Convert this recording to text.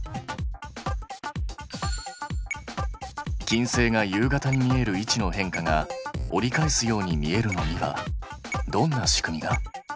金星が夕方に見える位置の変化が折り返すように見えるのにはどんな仕組みが？